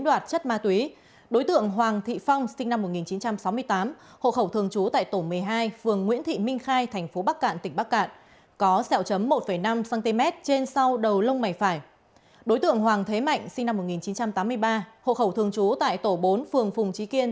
đối tượng hoàng thế mạnh sinh năm một nghìn chín trăm tám mươi ba hộ khẩu thường trú tại tổ bốn phường phùng trí kiên